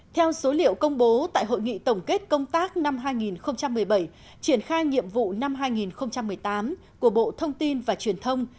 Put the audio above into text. theo số liệu công bố tại hội nghị tổng kết công tác năm hai nghìn một mươi bảy triển khai nhiệm vụ năm hai nghìn một mươi tám của bộ thông tin và truyền thông